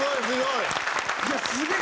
いやすげえ！